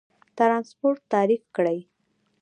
ترانسپورت تعریف کړئ.